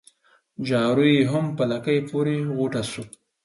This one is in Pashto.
جارو يې هم په لکۍ پوري غوټه سو